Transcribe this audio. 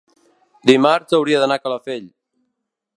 dimarts hauria d'anar a Calafell.